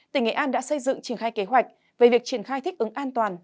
tỉnh nghệ an đã xây dựng triển khai kế hoạch về việc triển khai thích ứng an toàn